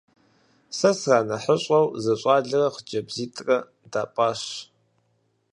Сэ сранэхъыщӀэу зы щӏалэрэ хъыджэбзитӏрэ дапӀащ.